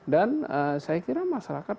dan saya kira masyarakat